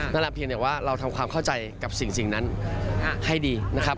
นั่นแหละเพียงแต่ว่าเราทำความเข้าใจกับสิ่งนั้นให้ดีนะครับ